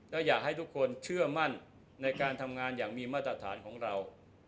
และอยากให้ทุกคนเชื่อมั่นในการทำงานอย่างมีมาตรฐานของเรา